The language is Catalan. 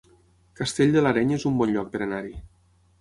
Castell de l'Areny es un bon lloc per anar-hi